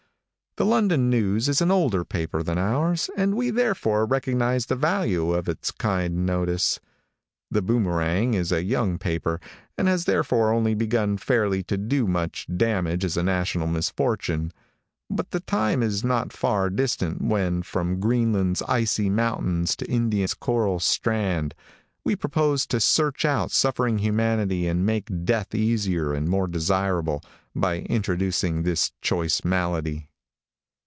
The London News is an older paper than ours, and we therefore recognize the value of its kind notice. The Boomerang is a young paper, and has therefore only begun fairly to do much damage as a national misfortune, but the time is not far distant, when, from Greenland's icy mountains to India's coral strand, we propose to search out suffering humanity and make death easier and more desirable, by introducing this choice malady.